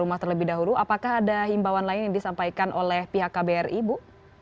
apakah ada himbawan lain yang disampaikan oleh pihak kbri ibu